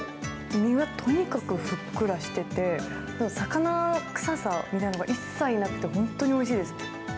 身がとにかくふっくらしてて魚臭さみたいなのが一切なくて本当においしいです。